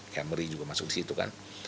camry juga masuk disitu kan